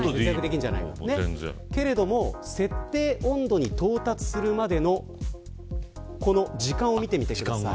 けれども設定温度に到達するまでの時間を見てください。